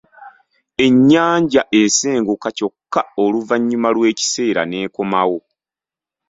Ennyanja esenguka kyokka oluvannyuma lw’ekiseera n’ekomawo.